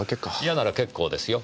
嫌なら結構ですよ。